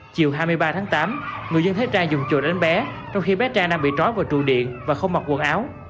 chiều hai mươi ba tháng tám người dân thấy trang dùng chuột đánh bé trong khi bé trang đang bị trói vào trụ điện và không mặc quần áo